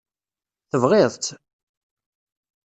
Tebɣiḍ-tt?